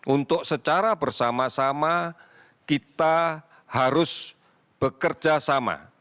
untuk secara bersama sama kita harus bekerja sama